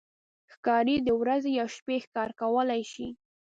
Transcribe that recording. ښکاري د ورځې یا شپې ښکار کولی شي.